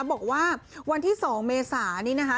บอกว่าวันที่๒เมษานี้นะคะ